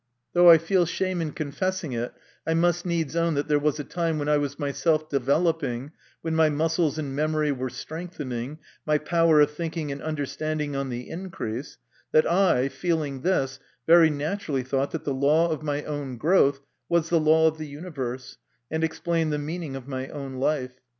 Though I feel shame in confessing it, I must needs own that there was a time when I was myself developing when my muscles and memory were strengthening, my power of thinking and understanding on the increase that I, feeling this, very naturally thought that the law of my own growth was the law of the universe, and explained the meaning of my own life.